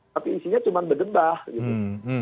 tapi isinya cuma bergembah